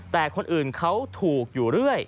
แต่คนอื่นเขาถูกอยู่เรื่อย